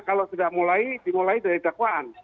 kalau tidak dimulai dari dakwaan